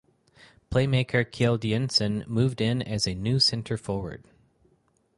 Playmaker Kjeld Jensen moved in as the new center forward.